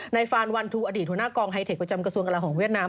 ฟานวันทูอดีตหัวหน้ากองไฮเทคประจำกระทรวงกลาของเวียดนาม